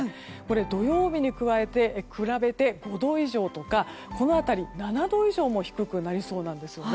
土曜日に比べて５度以上とかこの辺り、７度以上も低くなりそうなんです。